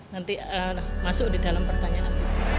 nanti masuk di dalam pertanyaan